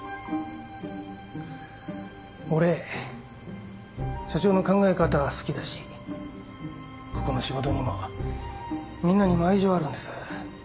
俺社長の考え方好きだしここの仕事にもみんなにも愛情あるんです。